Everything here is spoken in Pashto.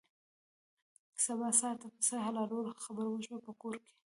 سبا سهار ته د پسه د حلالولو خبره وشوه په کور کې.